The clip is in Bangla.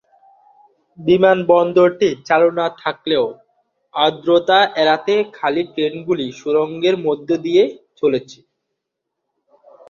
বিমানবন্দরটি চালু না থাকলেও আর্দ্রতা এড়াতে খালি ট্রেনগুলি সুড়ঙ্গের মধ্য দিয়ে চলছে।